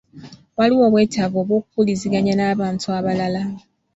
Waliwo obwetaavu obw’okuwuliziganya n’abantu abalala.